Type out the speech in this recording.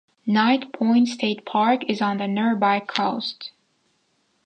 Knight Point State Park is on the nearby coast.